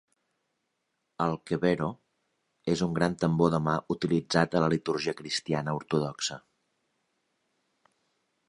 El "kebero" és un gran tambor de mà utilitzat a la liturgia cristiana ortodoxa.